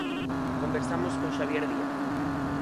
Conversamos con Xabier Díaz.